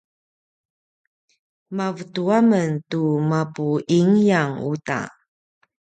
mavetu a men tu mapu ingyang uta